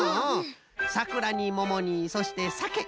さくらにももにそしてさけ。